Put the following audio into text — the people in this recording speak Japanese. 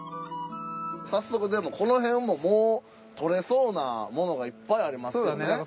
早速でもこの辺ももう撮れそうなものがいっぱいありますよね。